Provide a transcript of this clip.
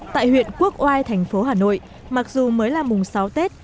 tại huyện quốc oai thành phố hà nội mặc dù mới là mùng sáu tết